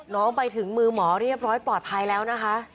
น้องไปถึงมือหมอเรียบร้อยปลอดภัยแล้วนะคะ